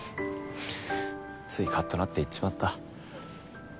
ついカッとなって言っちまった。